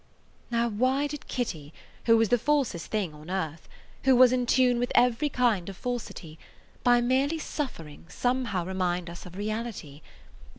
Now, why did Kitty, who was the falsest thing on earth, who was in tune with every kind of falsity, by merely suffering somehow remind us of reality?